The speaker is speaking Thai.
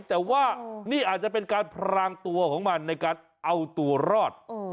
แต่ว่านี่อาจจะเป็นการพรางตัวของมันในการเอาตัวรอด